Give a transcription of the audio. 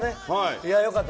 いや良かった。